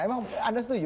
emang anda setuju